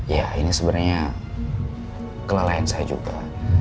ya ini sebenarnya kelalaian saya juga